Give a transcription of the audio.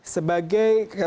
sebagai ketua penyelidikan